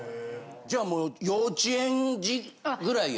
じゃあもう幼稚園児ぐらいや。